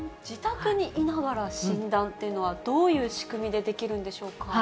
自宅にいながら診断っていうのは、どういう仕組みでできるんでしょうか。